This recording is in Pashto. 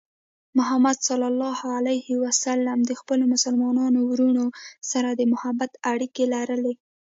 محمد صلى الله عليه وسلم د خپلو مسلمانو وروڼو سره د محبت اړیکې لرلې.